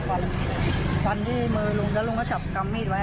อันนั้นก็วันฟันที่ลุงคะวดมือลุงลุงก็กำมีดไว้